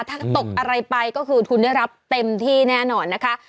ถ้าตกอะไรไปก็คือทุนได้รับเต็มที่แน่นอนนะคะ